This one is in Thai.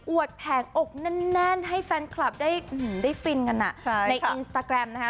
วดแผงอกแน่นให้แฟนคลับได้ฟินกันในอินสตาแกรมนะคะ